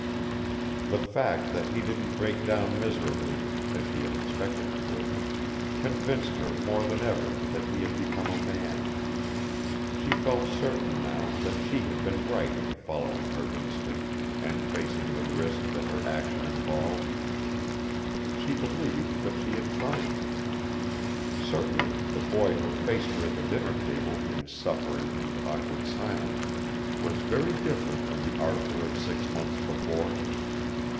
The fact that he didn't break down miserably, as she had expected he would, convinced her more than ever that he had become a man. She felt certain now that she had been right in following her instinct and facing the risk that her action involved. She believed that she had triumphed. Certainly, the boy who faced her at the dinner table in suffering and awkward silence was very different from the Arthur of six months before.